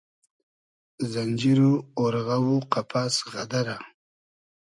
زئنجیر و اۉرغۂ و قئپئس غئدئرۂ